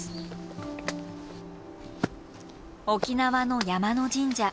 沖縄の山の神社。